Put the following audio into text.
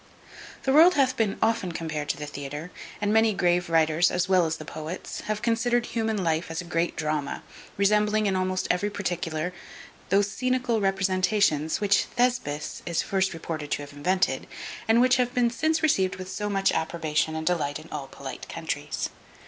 The world hath been often compared to the theatre; and many grave writers, as well as the poets, have considered human life as a great drama, resembling, in almost every particular, those scenical representations which Thespis is first reported to have invented, and which have been since received with so much approbation and delight in all polite countries.